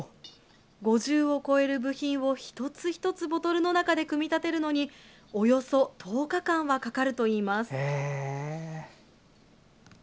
５０を超える部品を一つ一つボトルの中で組み立てるのにおよそ１０日間はかかるといいます。